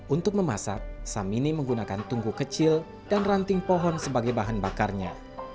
untuk memasak samini menggunakan tunggu kecil dan ranting pohon sebagai bahan bakarnya